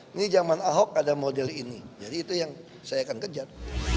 ini zaman ahok ada model ini jadi itu yang saya akan kejar